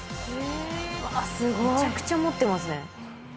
めちゃくちゃ持ってますね。